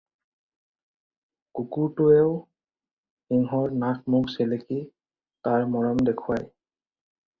কুকুৰটোৱে ও সিংহৰ নাক মুখ চেলেকি তাৰ মৰম দেখুৱায়।